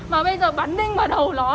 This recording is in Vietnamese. mà bây giờ bắn đinh vào đầu nó